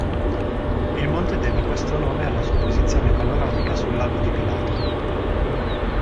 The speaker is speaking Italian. Il monte deve questo nome alla sua posizione panoramica sul Lago di Pilato.